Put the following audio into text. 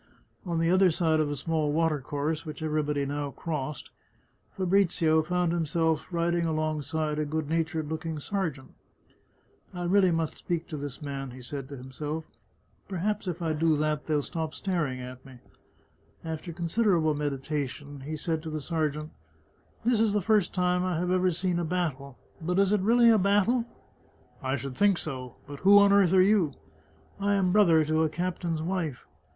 On the other side of a small water course, which everybody now crossed, Fabrizio found himself riding alongside a good natured looking sergeant. " I really must speak to this man," he said to himself. " Perhaps if I do that, they'll stop staring at me." After considerable meditation he said to the sergeant :" This is the first time I have ever seen a battle. But is it really a battle? " "I should think so! But who on earth are you?" " I am brother to a captain's wife."